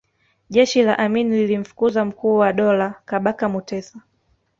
jeshi la amin lilimfukuza mkuu wa dola Kabaka mutesa